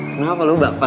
kenapa lo baper